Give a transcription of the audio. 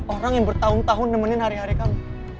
orang yang bertahun tahun nemenin hari hari kamu